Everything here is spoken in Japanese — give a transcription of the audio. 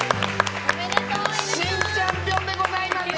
新チャンピオンでございます。